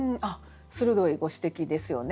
鋭いご指摘ですよね。